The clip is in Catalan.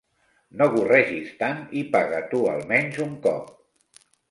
No gorregis tant i paga tu almenys un cop!